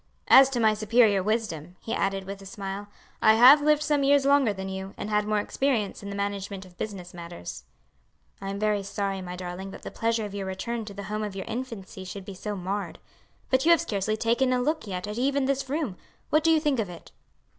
As to my superior wisdom," he added with a smile, "I have lived some years longer than you, and had more experience in the management of business matters." "I am very sorry, my darling, that the pleasure of your return to the home of your infancy should be so marred. But you have scarcely taken a look yet at even this room. What do you think of it?"